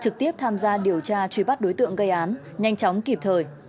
trực tiếp tham gia điều tra truy bắt đối tượng gây án nhanh chóng kịp thời